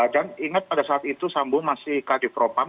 dan ingat pada saat itu sambo masih kadipropam